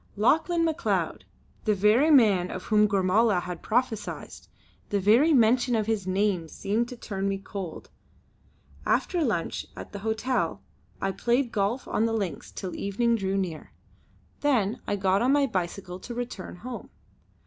'" Lauchlane Macleod! The very man of whom Gormala had prophesied! The very mention of his name seemed to turn me cold. After lunch at the hotel I played golf on the links till evening drew near. Then I got on my bicycle to return home.